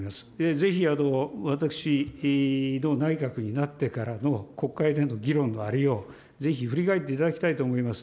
ぜひ私の内閣になってからの国会での議論のありよう、ぜひ振り返っていただきたいと思います。